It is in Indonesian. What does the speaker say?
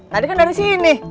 tadi kan udah disini